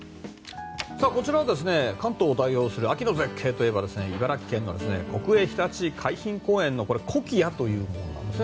こちらは関東を代表する秋の絶景といえば茨城県の国営ひたち海浜公園のコキアというものなんです。